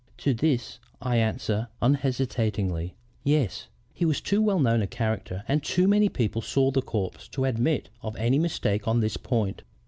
To this I answer unhesitatingly, 'Yes.' He was too well known a character and too many people saw the corpse to admit of any mistake on this point.